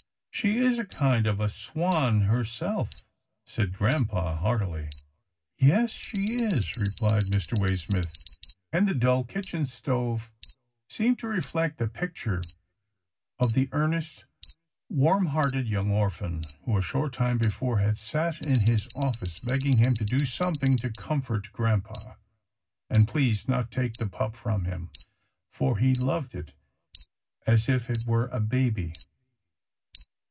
" She is a kind of a swan herself," said grampa heartily. " Yes, she is," replied Mr. Waysmith, and the dull kitchen stove seemed to reflect the picture of the earnest, warm hearted, young orphan who a short time before had sat in his office begging him to do something to comfort grampa, and please not to take the pup from him, for he loved it as if it were a baby.